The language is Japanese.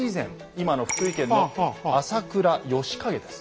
今の福井県の朝倉義景です。